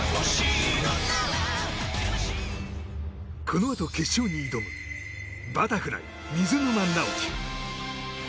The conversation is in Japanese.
このあと決勝に挑むバタフライ、水沼尚輝。